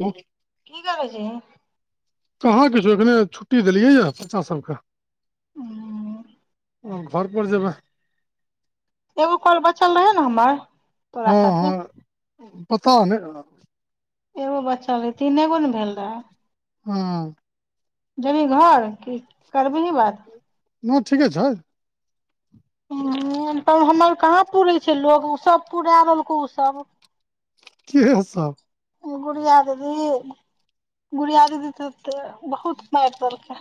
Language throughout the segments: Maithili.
ओ, की करै छीहहि कहाँ किछो एखने छुट्टी देलियै यऽ बच्चा सबके ह ओ घर पर जेबै एगो कोल बचल रहै ने हमर तोरा हँ साथे हँ पता नहिलेलक एगो बच्चा रहे तीनेगो ने भेल रहे हँ जेबी घर क करबहीही बात मुह ठीके छै ह तब हमर कहाँ पुरे छै लोग ओसभ पूरा देलको ओसभ केहतब एगो गुड़िया देबहि गुड़िया द तऽ बहुत मारि केलकै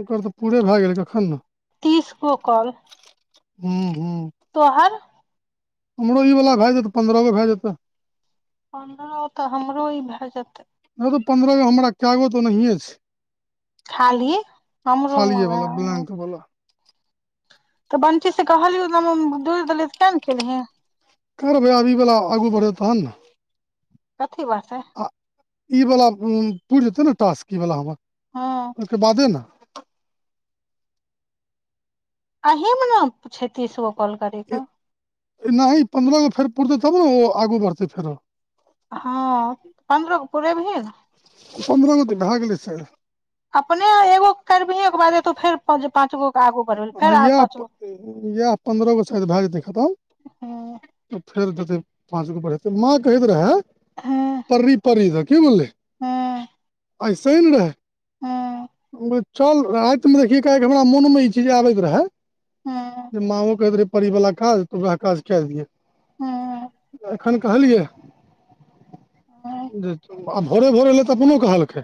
ओकर तऽ पूरे भए गेलै कखन न तीस गो कौल हू हू तो हर हमरो ई वला भए जेतै पन्द्रह गो भए जेतै प तऽ हमरो ई भए जेतै नहि तू पंन्द्रहगो हमरा कए गो तऽ ओनाे छै खाली हमरो मे खालए वला वएह ब्लैक वाला तऽ बंटी से कहलियौ दोड़ि देले तऽ किया नहि केलीहे कर मे आबीवला आगू बढ़त तहन ने कथी वषे आई वला पूुरि जेतै ने टास्क ई वाला हमर हँ ओहिके बादे ने अही मे ने छै तीसगो कॉल कर कऽ नहि पन्द्रहगो फेर पुरतै तब ने ओ आगू बढ़तै फेरो ह पन्द्र पूे भी हीन पन्द्रहगोटी भए गेलै अपने एगो करबिहे के बादे तो फेर पाच गो ह इएह इएह पन्द्रह गो शायद भए जेतै खतम हूँ तऽ फेर देते पाँच गो पढ़ेतै माँ कहैत रहे परी परी तऽ कि बुझलै ह ऐसे ने रहे चल राति मे देखिय कऽ हमरा मन मे ई चीज आबैत रहे हूँ जे मे कहैत रहे परी वाला काज तऽ ओएह काज कऽ दिय हूँ एखन कहलियै। हूँ आ भोरे भोरे अयलै तऽ अपनो कहलकै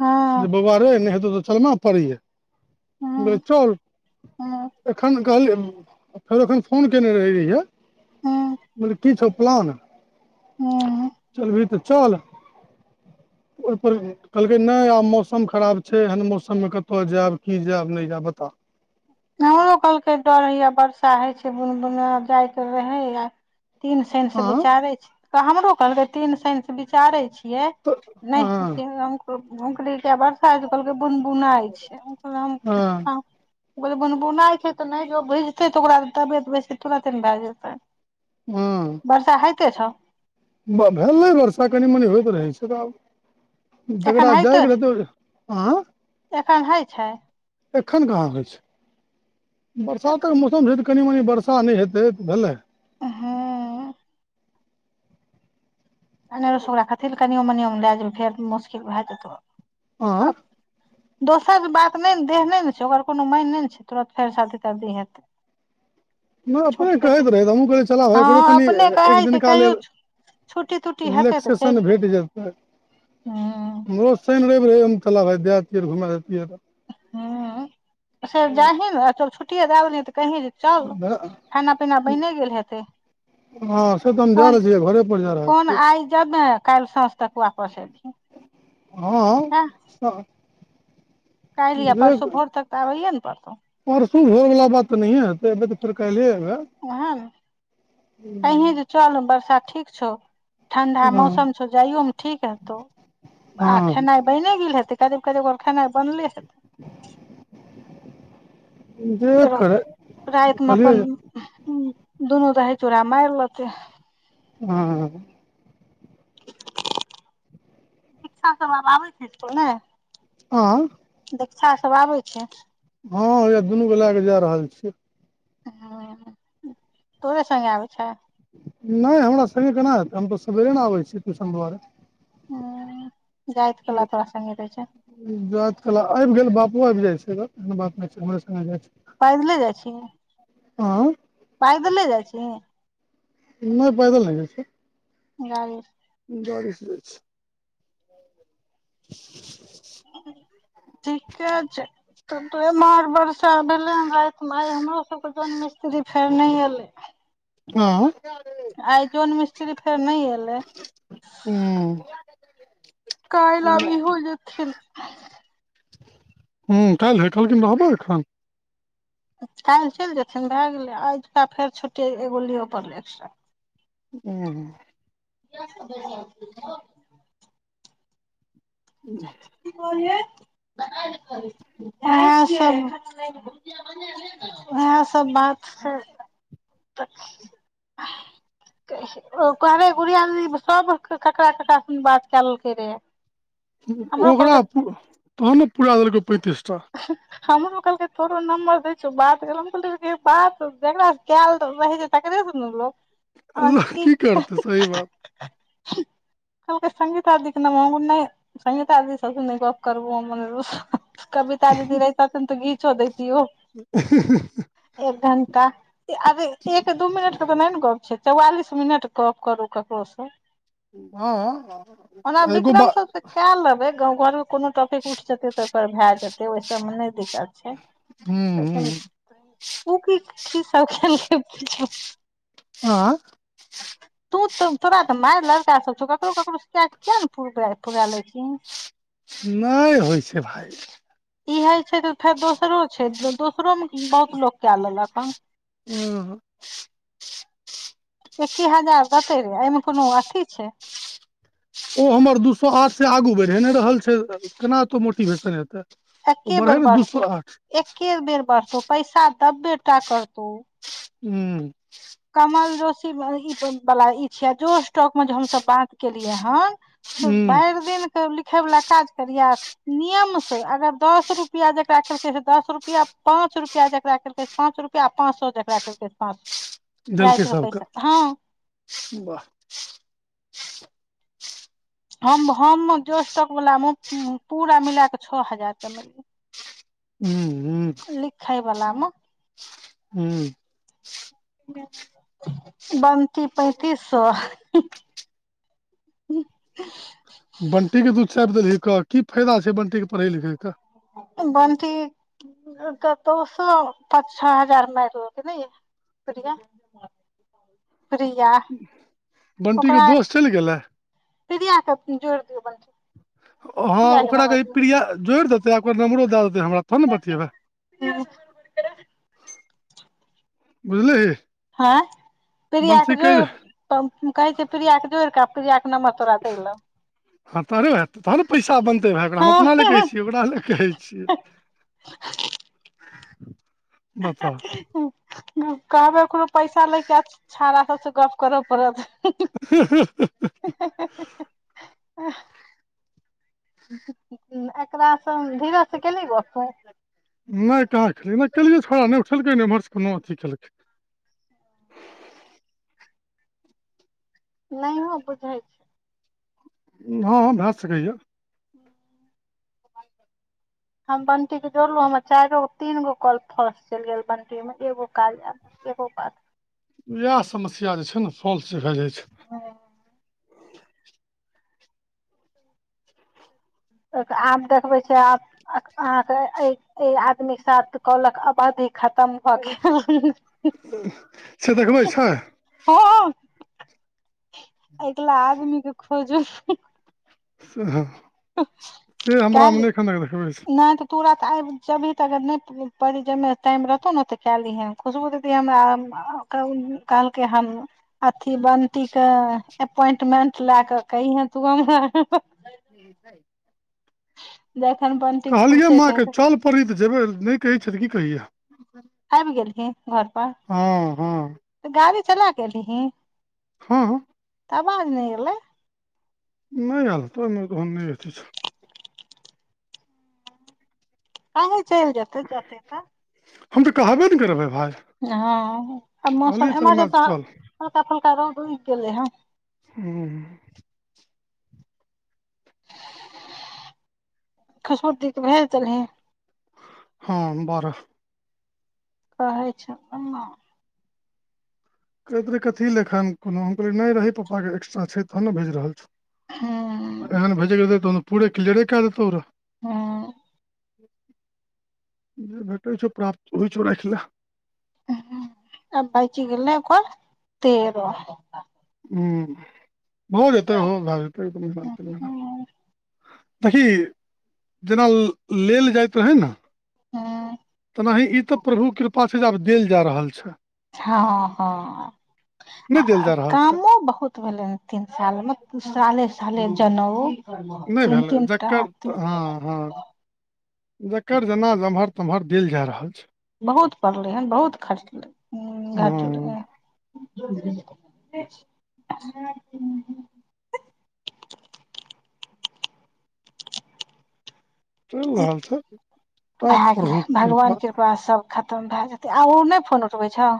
हँ जे बौआ रे नहि हेतौ त चलना पड़ैया बे हूँ चल। हूँ एखन कहलियै फेर एखन फोन कयने रहैत रहियै। हूँ बल कि छौ प्लन हू। चल भी त चल ओप कहलकै नहि आब मौसम खराब छै एहन मौसममे कतय जायब कि जायब नहि जायब बता हमरो कहलकै डर हइया वर्षा होइ छै बुन बुने जायके रहै अ तीन शनस हँ विचारे छी हमरो कहलै तीन शनस विचारे छियै। तऽ हँ नहि मकली तऽ बाद काज कलके बुन बुनाइ छै हँ ओकऽ गो बुनबुनाइ छै तऽ नहि ज ओ भुजतै त ओकरा तबियत बेस तुरते ने भए जेतै हू वर्षा होइते छौ। भेलै वर्षा कनि मनि होइत रहै छै त आब झगड़ा एखन होइते जाय छौ तऽ आ एखन होइ छै। एखन कहाँ होइ छै बरसात कऽ मौसम कनि मनी वर्सा नहि हेतै तऽ भेलै। ह ए ओकरा खथि लऽ कनिओ मनिमे लए जेबै फेर मुश्किल भए जेतौ आँ दोसर जे बात नहि ने देह नहि ने छै ओकर कोनो माय नहि ने छै तुरत फेर शादी शादी हेतै। नहि अपने छूट देतै कहैत रहै त हमहूँ कहै चलाबै हँ ओकरो कनि अपने एक कहै छै दिनका कहियो लेल छुट्टी तुट्टी हेतै तऽ चलि रिल्सन जेबै भेट जेतै हूं हमरो। शनि रवि रहै हम तल्ला भाइ दैतै घुम देतियैऽ ह से जाहीमे चल छुट्टी दऽ तऽ कही जे चल तऽ खाना पीना बने गेल हेतै हँ से तऽ हम जा कोन रहल छियै घरे पर जा रहल कोन छियै आइ जमय काल्हि साँझ तक वापस अभि हँ काल्हि यऽ जे परसो भोर तक तऽ आबैये ने पड़तौ परसू भोर बला बात तऽ नहियए हेतै एबै तऽ फेर काल्हिए अयबै ओहन नऽ कहीं जे चल बरसा ठीक छौ ठंडा हँ मौसम छौ जाइयो मऽ ठीक हेतौ आ हँ खेनाइ बनि गेल हेतै केब कीब ओकर खाना बनले हेै जे करेय कल्हिय हू दुनू दही चूरा माय लेतय हँ शिक्षा सभ आब आबै छो कि नेय आ देख्षा सब आबै छै हँ उहेय दुनू कऽ लए कऽ जा रहल छियै हऽ तोरे संगे आबे छय नहि हमरा संगे केना ऐतै हम तऽ सवेरे ने आब छिए ट्यूशन दुआरे ह जाइत कला थोड़ा संगे रहे छैय जाइत कला आबि गेल बापो आबि जाइ छै एहन बात नहि छै हमरे से जाइ पैदले जाइ छी? आँ पैदले जाइ छी? नहि बैदल नहि जाय छै। गाड़ी सँ गाड़ी सँ जाय छैय [unintelligible] ठीके छै तब तऽ उहे मार बरस चा भेलेय हमरो सब के जन मिस्त्री फेर नहि एले। आय आइ जौन मिस्त्री फेर नहि एले। हू कायल्ह आब इहो जेथिन। हू काल्हि भेढलखिन तऽ कहलखिन रहबय अखन काल्हि चलि जेथिन भए गेलै आजुका फेर छुट्टी एगो ले पड़लै एक्स्ट्रा। हू कि सब भेजने हथि हो? [unintelligible] कि कहलिए? बनाबे कहलीय भुजिया बन गेले? अच्छा। उएहसभ बात छै। कहे गुड़िया दीदी सब ककरा ककड़ा सऽ बात कऽ लेलकै रहे। ओकरा प तहनो ने पुरा देलकै पैंतीस टा। [unintelligible] हमरो कहलकै तोरो नंबर दय छियो बात हम कहलिए बात जेकरा से कैल रहे तेकरे से ना करबै। अहाँ अल्लाह की करतै सब सही बात आ आ आ कहलक संगीता दीे से न मंग नहि सीता आदी गप करबो अनेरो सऽ कविता दीदी रह तथिन रै तऽ घीचो देतीओ रै एक घण्टा। अरे एक दू मिनट के तऽ नहि ने गप्प छै चौवालिस मिनट गप करू ककरो सऽ हँ एगो बा विक्रम सबसँ कए लेबे गाव घर मे कोनो टॉपिक उठ जेते तऽ ओप पर भए जेते ओहि सभ मे नहि दिक्कत कै हूं लेबई हूं लेकिन ओ कि कि सभ ह ज। तू तोरा तऽ मार लड़का सभ छौ ककरो ककरो किया ने पुरा ले छी? नहि होई छै भाय। इहे छै तऽ फेर दोसरो छै दोसरो मे बहुत लोको कए लेलऽ कऽ हन। ह। एकी हजार देते रे एहि मे कोनो अथी छै। हमर दू सए आर से आगू बढ़ नहि रहल छै केना एतो मोटिवेशन हेतै ओ एके बढ़े बेर ने दू सौ बढ़तौ आठ एके बेर बढ़तौ पैसा दब्बेटा करतौ। हू। कमल जोशी ई वाला ई छियै जो स्टॉकमे जे हम सभ बात केलियै हन। हूं भरि दिन के लिखै वाला काज करिया नियम से अगर दस रुपआ जेकरा केलकै से दस रुपआ पाँच रुपआ जेकरा केललकै। पाँच रुपआ पाँच सए जकरा केलकै पाँच। देलकै राति के सभके पैसा हँ वाह। हम जोश टॉक वला मे पूरा मिला कऽ छओ हजार कमैलिये। हू हू। लिखइ वाला मे। हू। बमती पैतिस सए ह। बटी के दूध चापि देलही कऽ कि फायदा छै बटी के पढ़ै लिखैके बनथी। तऽ दोसो पाँच छह हजार मारि रहल नहि य चिया पिया बंटी के ओकरा दोस्त चलि गेलै पड़िया के जोड़ि दियौ बन। ओ ह ओकराे ई प्रिया जोड़ि देतै आ ओकर नम्बरो दए देतै हमरा तहन ने बतेबै [unintelligible] बुझलिही ह प्रिय बंसी के कहि दे जोड़ कहे छै प्रिय के जोड़ कऽ क्रियियाे नम्र तोरा देललौ। हँ तह ने हो तहन ने पैसा बनतै भऽ ओकरा हम अपना लए कहै हँ छियै ओकरा लए कहै छियै [unintelligible] ह। कहबै ओकरो पैसा लेके आ छड़ा सभसँ गप करऽ पड़त ह [unintelligible] ह। एकरा से धीरे से कऽ बसे नहि कह कहलै नहि केलियै छौड़ा नहि उठेलकै नहि एमहरसँ कोनो अथी केलकै। नहि हँ बुझाइ छै। हँ भए सकैएा। ह। हम बटी के जोड़लहूँर चारि गो तीन गो कल्प फर्स चलि गेल बटी मे एगो काज आल एगो बात। इएह समस्या जे छै ने फॉल्स भए जाई छै ह। आब देखबै छै आब अहाँकेँ एहि आदमी साथ कहलक अवधी खतम भऽ गेल से देखबै छै ह एकला आदमी के खोजू से हमरा नेखनक देखबै तुरन्त आबि जभी तऽगर नहि पड़ी जाहि मे टाइम रहतौ ने तऽ कए लिहन खुशबू ददी हमरा कऽ कलके हमन अथी बट के अपोइंटमेंट लए कऽ कहि हे तूमह ह। जखन बनटीकऽ फुुरसेते तऽ पढ़ी तऽ जेबै नहि कहै छै तऽ कि कहैया आबि गेलही घर पर हँ हँ तऽ गाड़ी चला के एलिही हू तब आज नहि गेललै। नहि हल तऽ तन नहि अथि छै अी चलि जेतै जतै त हम त कहबे ने करबै भाइ हँ आ मौसम एम्हर सभ तऽ चल हल्का फल्का रौद उगि गेलै हँ हू। खशबूती के भेल चल हैं ह बर कहै छै। कहैत रहै की लेखन कोनो हम कहलियै नहि रही पापाके एक्स्ट्रा छै तहन ने भेज रहल छ हूँ एन भजत ओ पूराे किलजड़ कऽ आतौर आ। जे भेट हो छै प्राप्त हो छै रखा आ बाची गेल ने ओकर तरो ह भऽ जेतै भए हँ जेतै देखी जेना लेलऽ जाइत रहै ने। हँ तेनाही ई तऽ प्रभु कृपा छै जे आब देल जऽ रहल छै हँ नहि देल आ जा रहल छै कामो बहुत भेलै तीन साल मे साले साले जनउ नहि तीन भेलै तीन टा जकरऽ ह ह जकर जेना जम्हर तम्हर देल जा रहल छै। बहुत पड़लै हन बहुत खचलै हँ घटलै। [unintelligible] चलि रहल छै टा भए गेलै प्रभुक भगवान कृपा कृपास सभ खतम भए जेतै ओ नहि फोन उठबै छहो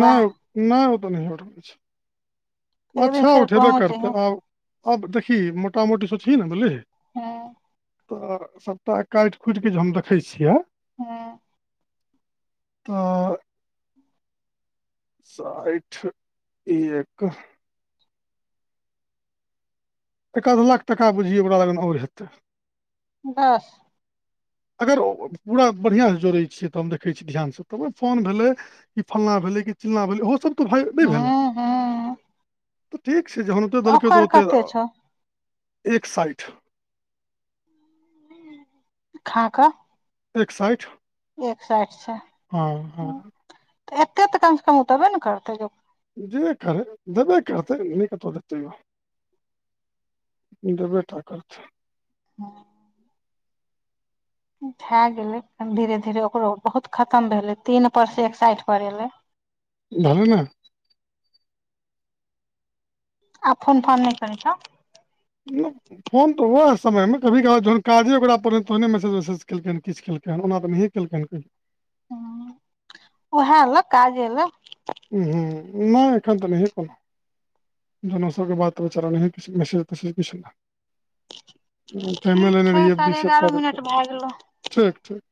नहि नहि ओ तऽ नहि हो छै एक दिन अच्छा फेर उठेबे पहुँचे करतै हे आब। अब देखी मोटामोटी सँ छए ने दऽले ह तऽ सभटा काटि खुटि के जे हम देखै छियै हँ [unintelligible] साठि एक एक आध लाख टका बुझिय ओकरा लग आओर हेतै बस अगर पूरा बढ़िआँसँ जोड़ैत छियै तऽ हम देखै छी ध्यानसँ तब ओहि फोन भेलै ई फलना भेलै कि चिलला भेलै ओहो सब तऽ नहि भेलै हूं हूं तऽ ठीक छै जहन देलकै तऽ ओकर ओते कते छौ एक साठि खा कऽ एक साठि एक साठि छै हँ हँ ह तऽ एते तऽ कमसँ कम ओ दबे नऽ करतै जे जे करै देबे करतै नहि कतहु देतै दबे टा करतेय हँ भए गेले धीरे धीरे ओकरो बहुत खतम भेले तीन पर से एक साठि पर एले भलय नऽ आब फोन फोन नहि करै छऊ नहि फोन तऽ उएह समय मे कभी कभ जहन काजे ओकरा पड़ तहने मैसेज वसेज केलकै हऽ किछ केलक हे ओना तऽ केलके हन कहियो ओहेय लऽ काजे लऽ उहूँ नहि एखन तऽ नहिहे कोनो जहन ओ सबके बात बेचारा नहि कि मैसेज तसेज किछु नहि टाईमे ठीक लेने छै रहि साढ़े बीसे एगारह तारखे मिनट भए गेलौ ठीक ठीक